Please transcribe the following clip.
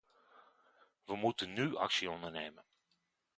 We moeten nu actie ondernemen.